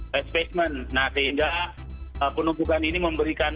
nah sehingga penumpukan ini memberikan